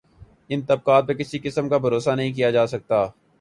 ان طبقات پہ کسی قسم کا بھروسہ نہیں کیا جا سکتا۔